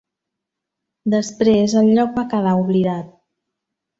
Després el lloc va quedar oblidat.